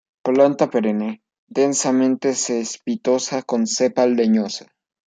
Planta perenne, densamente cespitosa, con cepa leñosa.